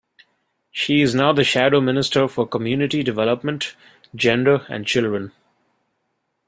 She is now the Shadow Minister for Community Development, Gender and Children.